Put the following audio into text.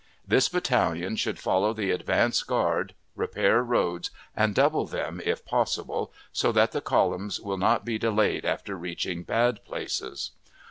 This battalion should follow the advance guard, repair roads and double them if possible, so that the columns will not be delayed after reaching bad places.